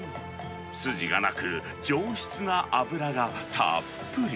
筋がなく、上質な脂がたっぷり。